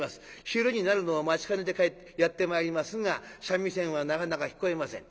昼になるのを待ちかねてやって参りますが三味線はなかなか聞こえません。